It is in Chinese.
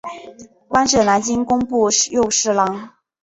官至南京工部右侍郎。